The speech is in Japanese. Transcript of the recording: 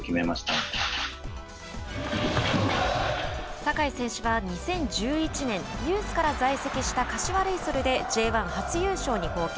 酒井選手は２０１１年ユースから在籍した柏レイソルでＪ１初優勝に貢献。